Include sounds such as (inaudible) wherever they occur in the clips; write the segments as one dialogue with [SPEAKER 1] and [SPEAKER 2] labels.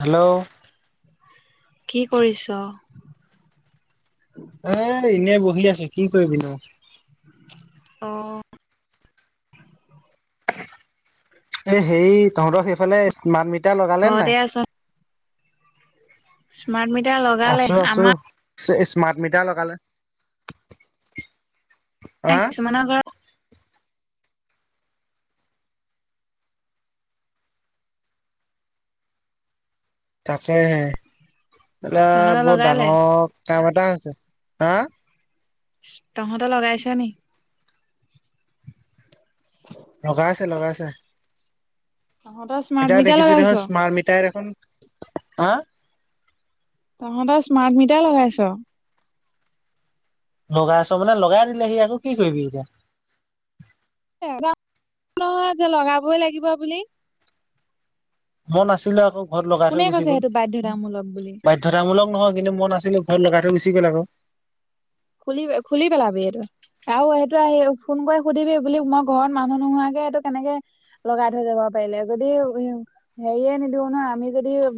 [SPEAKER 1] Hello
[SPEAKER 2] কি কৰিছ?
[SPEAKER 1] এ এনেই বহি আছো কি কৰিবি নো
[SPEAKER 2] অ
[SPEAKER 1] এ হেৰি তহঁতৰ সেইফালে স্মাৰ্ট মিটাৰ লগালে
[SPEAKER 2] ঘৰতে
[SPEAKER 1] নাই?
[SPEAKER 2] আছ? স্মাৰ্ট মিটাৰ ল
[SPEAKER 1] আছো আছো স্মাৰ্ট মিটাৰ লগালে
[SPEAKER 2] ন
[SPEAKER 1] হা
[SPEAKER 2] কিছুমানৰ ঘৰত
[SPEAKER 1] তাকেহে এটা
[SPEAKER 2] তহঁতৰ
[SPEAKER 1] বহুত
[SPEAKER 2] লগালে।
[SPEAKER 1] ডাঙৰ কাম এটা হৈছে হা
[SPEAKER 2] তহঁতৰ লগাইছ নি
[SPEAKER 1] লগাইছে লগাইছে
[SPEAKER 2] তহঁতৰ স্মাৰ্ট
[SPEAKER 1] এতিয়া
[SPEAKER 2] মিটাৰ
[SPEAKER 1] দেখিছো
[SPEAKER 2] লগাইছ?
[SPEAKER 1] দেখোন স্মাৰ্ট মিটাৰে দেখোন
[SPEAKER 2] তহঁতৰ স্মাৰ্ট মিটাৰ লগাইছ
[SPEAKER 1] লগাইছ মানে লগাই দিলেহি আকৌ কি কৰিবি এতিয়া
[SPEAKER 2] নহয় যে লগাবই লাগিব বুলি
[SPEAKER 1] মই নাছিলো আকৌ ঘৰত লগাই
[SPEAKER 2] কোনে
[SPEAKER 1] থৈ গুচি
[SPEAKER 2] কৈছে
[SPEAKER 1] গল
[SPEAKER 2] সেইটো বাধ্যতামূলক বুলি?
[SPEAKER 1] বাইদ বাধ্যতামূলক নহয় কিন্তু মই নাছিলো ঘৰত লগাই থৈ গুচি গ'ল আকৌ
[SPEAKER 2] খুলি খুলি পেলাবি আৰু আৰু সেটো আহি ফোন কৰি সুধিবি বুলি মই ঘৰত মানুহ নোহোৱাকে এইটো কেনেকে লগাই থৈ যাব পাৰিলে যদি উ হেৰিয়ে নিদিওঁ ন আমি যদি উম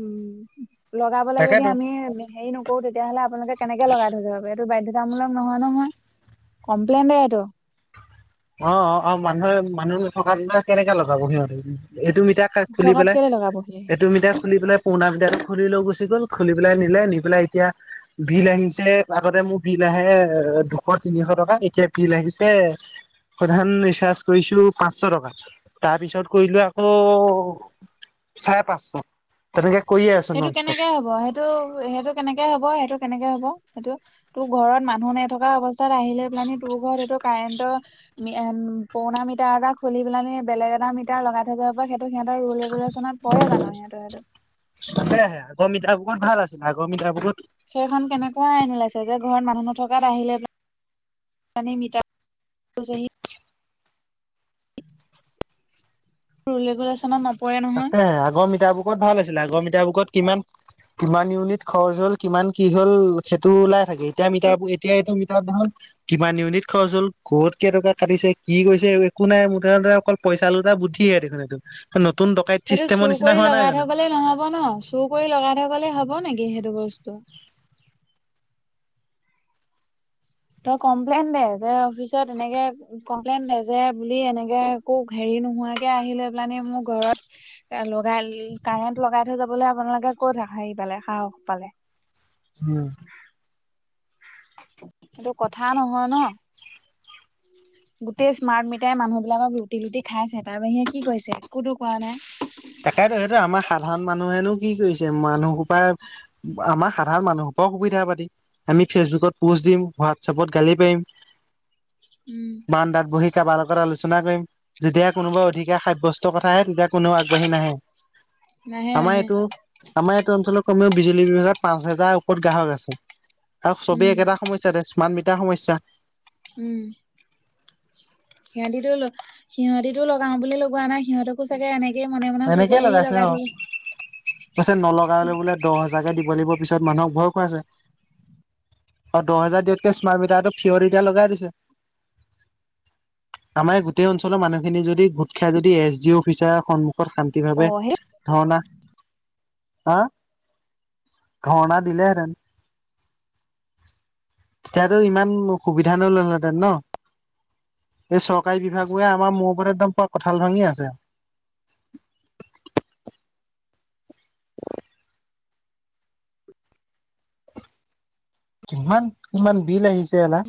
[SPEAKER 2] লগাবলৈ যদি
[SPEAKER 1] তাকেতো।
[SPEAKER 2] আমি হেৰি নকৰো তেতিয়াহ'লে আপোনালোকে কেনেকে লগাই থৈ যাব এইটো বাধ্য আমূলক নহয় নহয় কমপ্লেইন সেইটো
[SPEAKER 1] অ মানুহে মানুহ নথকাত কেনেকে লগাব সিহঁতি এইটো মিটা খুলি
[SPEAKER 2] টকাত
[SPEAKER 1] পেলাই
[SPEAKER 2] কেলে লগাবহি
[SPEAKER 1] এইটো মিটাৰ খুলি পেলাই পুৰণা মিটাৰটো খুলি লৈ গুচি গ'ল খুলি পেলাই নিলে নি পেলাই এতিয়া বিল আহিছে আগতে মোৰ বিল আহে দুশ তিনিশ টকা এতিয়া বিল আহিছে প্ৰধান ৰিচাৰ্জ কৰিছো পাঁচশ টকা তাৰ পিছত কৰিলো আকৌ চাৰে পাঁচশ তেনেকে কৰিয়ে আছো
[SPEAKER 2] সেইটো
[SPEAKER 1] নন
[SPEAKER 2] কেনেকে
[SPEAKER 1] ষ্টপ
[SPEAKER 2] হব সেইটো সেইটো কেনেকে হ'ব সেইটো কেনেকে হ'ব সেইটো তোৰ ঘৰত মানুহ নথকা অৱস্থাত। অৱস্থাত আহি লৈ পেলানি তোৰ ঘৰত এইটো কাৰেণ্টৰ পুৰণা মিটাৰ এটা খুলি পেলানি বেলেগ এটা মিটাৰ লগাই থৈ যাব সেইটো সিহতৰ ৰোল ৰেগুলেশন পৰে জানো সিহঁতৰ সিহটো
[SPEAKER 1] সেয়াহে আগমিতা বহুত ভাল আছিলে আগমিতা বহুত
[SPEAKER 2] সেইখন কেনেকুৱা আইন ওলাইছে যে ঘৰত মানুহ নথকাত আহিলে। মানে মিঠা (unintelligible) ৰুল ৰেগুলেচনত মানুহ
[SPEAKER 1] আছে আগৰ মিতাৰ বুকত ভাল আছিলে আগৰ মিতাৰ বুকত কিমান কিমান ইউনিট খৰচ হল কিমান কি হল সেইটো ওলাই থাকে এতিয়া মিটাৰোৰ এতিয়া এইটো মিটাৰ দেখখন কিমান ইউনিট খৰচ হল ক'ত কেইটকা কাটিছে কি কৰিছে একো নাই মুঠতে অকল পইচালোতা এটা বুদ্ধিয়ে দেখোন সেইটো নতুন দকাইত।
[SPEAKER 2] সেইটো চুৰ কৰি লগাই থৈ গ'লে নহব ন। চুৰ কৰি লগাই থৈ গ'লে হব নেকি সেইটো বস্তু তই কমপ্লেইন দে, যে অফিচত এনেকে কমপ্লেইন দে যে বুলি এনেকে কো হেৰি নোহোৱাকে আহি লৈ পেলানি মো ঘৰত এ লগাই কাৰেণ্ট লগাই থৈ যাবলে আপোনালোকে ক'ত হেৰি পালে, সাহস পালে?
[SPEAKER 1] উম।
[SPEAKER 2] সেইটো কথা নহয় ন'। গোটেই স্মাৰ্ট মিটাৰে মানুহ বিলাকক লোটি লোটি খাইছে তাৰ বাহিৰে কি কৰিছে একোতো কৰা নাই।
[SPEAKER 1] তাকেতো সেইটো আমাৰ সাধাৰণ মানুহেনো কি কৰিছে মানুসোপাৰ আমাৰ সাধাৰণ মানুহ সোপাঁও সুবিধাবাদি। আমি ফেচবুকত পোষ্ট দিম, হোৱাটছআপত গালি পাৰিম।
[SPEAKER 2] উম।
[SPEAKER 1] বাৰান্দাত বহি কাৰবাৰ লগত আলোচনা কৰিম। যেতিয়া কোনোবা অধিকাৰ সাব্যস্ত কথা আহে তেতিয়া কোনেও আগ বাঢ়ি নাহে,
[SPEAKER 2] নাহে
[SPEAKER 1] আমাৰ
[SPEAKER 2] নাহে
[SPEAKER 1] এইটো আমাৰ এইটো অঞ্চলৰ কমেও বিজুলী বিভাগত পাঁচ হাজাৰৰ ওপৰত গ্ৰাহক আছে। চাওক চবেই
[SPEAKER 2] উম
[SPEAKER 1] একেটা সমস্যা তে স্মৰ্ট মিটাৰ সমস্যা।
[SPEAKER 2] উম সিঁহতিতো সিঁহতিতো লগাও বুলিয়ে লগোৱা নাই, সিহঁতক ও চাগে এনেকেই মনে মানে চুৰ কৰি আহি লগা থৈ গৈছে।
[SPEAKER 1] পাছে নলগালে বোলে দহ হাজাৰকে দিব লাগিব, পিছত মানুহক ভয় খুৱাইছে। অঁ দহ হাজাৰ দিয়াতকে স্মাৰ্ট মিটাৰটো ফিয়ৰ এতিয়া লগাই দিছে। আমাৰ এ গোটেই অঞ্ছলৰ মানুহখিনি যদি গোট খাই যদি, এছ ডি অফিচাৰ সন্মুখ ক'ত শান্তি
[SPEAKER 2] অ
[SPEAKER 1] ভাৱে
[SPEAKER 2] সেই
[SPEAKER 1] ধৰ্ণা, হা ধৰ্ণা দিলে হেঁতেন। তেতিয়াতো ইমান অসুবিধা নহল হেঁতেন ন এই চৰকাৰী বিভাগবোৰে আমাৰ মোৰ ওপৰত একদম কঁঠাল ভাঙি আছে। কিমান কিমান বিল আহিছে এ লা।